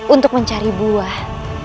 untuk mencari buah